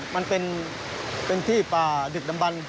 มันเป็นที่ป่าดึกดำบัน